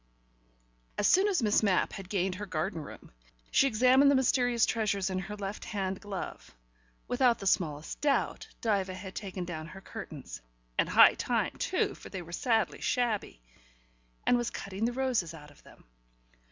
As soon as Miss Mapp had gained her garden room, she examined the mysterious treasures in her left hand glove. Without the smallest doubt Diva had taken down her curtains (and high time too, for they were sadly shabby), and was cutting the roses out of them.